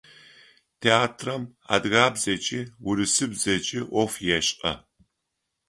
Театрам адыгабзэкӏи урысыбзэкӏи ӏоф ешӏэ.